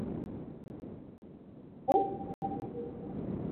au shilingi za laki sita za Kenya